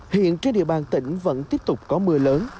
hiện trên địa bàn tỉnh vẫn tiếp tục có mưa lớn